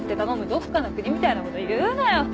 どっかの国みたいなこと言うなよ。